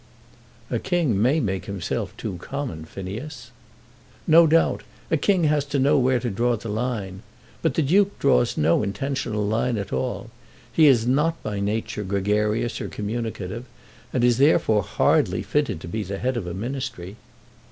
"A king may make himself too common, Phineas." "No doubt. A king has to know where to draw the line. But the Duke draws no intentional line at all. He is not by nature gregarious or communicative, and is therefore hardly fitted to be the head of a ministry."